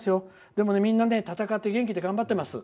でもみんな闘って元気で頑張ってます。